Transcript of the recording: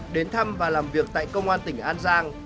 đến thăm và làm việc tại công an tỉnh an giang